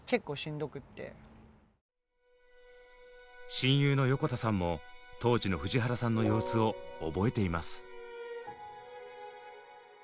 親友の横田さんも当時の藤原さんの様子を覚えています。